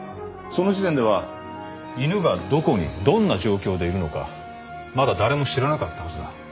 その時点では犬がどこにどんな状況でいるのかまだ誰も知らなかったはずだ。